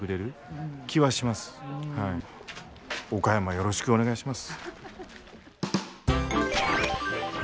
よろしくお願いします。